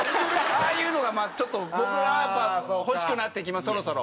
ああいうのがちょっと僕はやっぱ欲しくなってきますそろそろ。